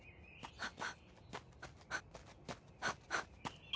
あっ。